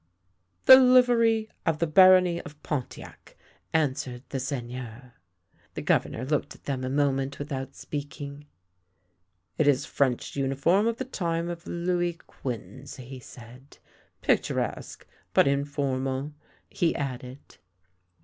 " The livery of the Barony of Pontiac," answered the Seigneur. THE LANE THAT HAD NO TURNING ii The Governor looked at them a moment without speaking. " It is French uniform of the time of Louis Quinze," he said. " Picturesque, but informal," he added.